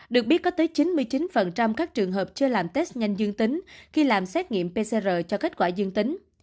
được biết có tới chín mươi chín các trường hợp chưa làm test nhanh dương tính khi làm xét nghiệm pcr cho kết quả dương tính